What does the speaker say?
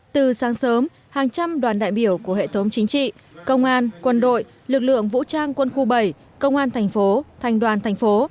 từ sáng sớm hàng trăm đoàn đại biểu của hệ thống chính trị công an quân đội lực lượng vũ trang quân khu bảy công an thành phố thành đoàn thành phố